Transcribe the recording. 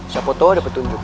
siapa tahu ada petunjuk